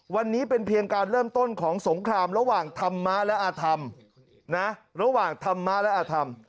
วันนี้เป็นเพียงการเริ่มต้นของสงครามระหว่างธรรมะและอธรรม